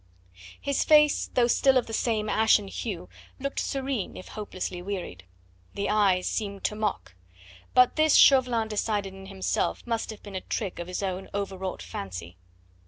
His face, though still of the same ashen hue, looked serene if hopelessly wearied; the eyes seemed to mock. But this Chauvelin decided in himself must have been a trick of his own overwrought fancy.